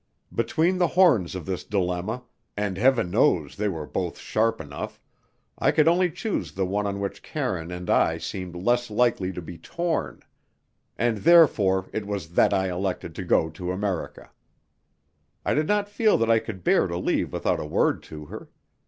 Between the horns of this dilemma and heaven knows they were both sharp enough I could only choose the one on which Karine and I seemed less likely to be torn; and therefore it was that I elected to go to America. I did not feel that I could bear to leave without a word to her.